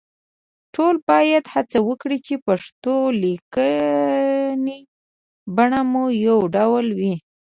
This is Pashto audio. ټول باید هڅه وکړو چې د پښتو لیکنې بڼه مو يو ډول وي